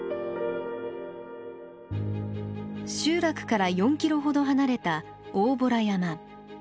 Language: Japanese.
集落から４ｋｍほど離れた大洞山。